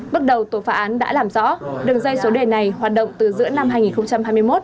bước đầu tổ phá án đã làm rõ đường dây số đề này hoạt động từ giữa năm hai nghìn hai mươi một